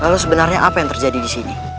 lalu sebenarnya apa yang terjadi di sini